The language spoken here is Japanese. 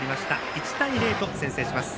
１対０と先制します。